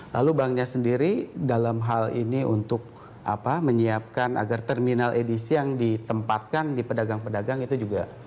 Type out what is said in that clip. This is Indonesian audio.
lalu banknya sendiri dalam hal ini untuk menyiapkan agar terminal edisi yang ditempatkan di pedagang pedagang itu juga